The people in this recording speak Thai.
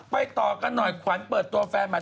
ไปต่อกันหน่อยขวัญเปิดตัวแฟนใหม่